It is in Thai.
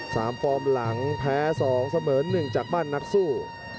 ฟอร์มหลังแพ้สองเสมอหนึ่งจากบ้านนักสู้